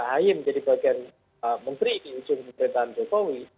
ahy menjadi bagian menteri di ujung pemerintahan jokowi